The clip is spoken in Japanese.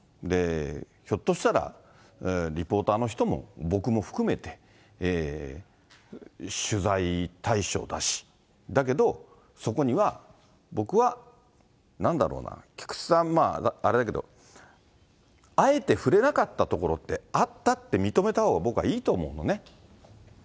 ひょっとしたら、リポーターの人も、僕も含めて、取材対象だし、だけど、そこには僕はなんだろうな、菊池さん、あれだけど、あえて触れなかったところってあったって認めたほうが僕はいいと思うのね。